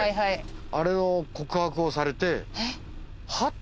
あれを告白をされて。